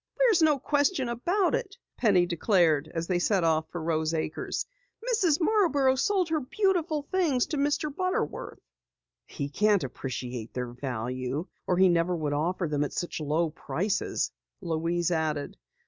"There's no question about it," Penny declared as they set off for Rose Acres. "Mrs. Marborough sold her beautiful things to Mr. Butterworth." "He can't appreciate their value or he never would offer them at such low prices," Louise added.